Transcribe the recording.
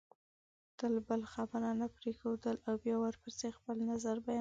تل بل خبرو ته پرېښودل او بیا ورپسې خپل نظر بیانول